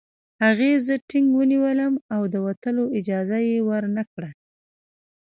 هغې زه ټینګ ونیولم او د وتلو اجازه یې ورنکړه